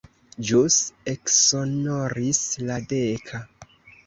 Ĵus eksonoris la deka.